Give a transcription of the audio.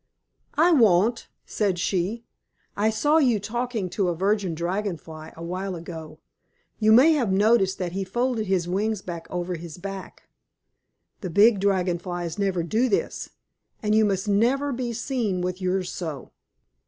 "I won't," said she. "I saw you talking to a Virgin Dragon Fly a while ago. You may have noticed that he folded his wings over his back. The Big Dragon Flies never do this, and you must never be seen with yours so."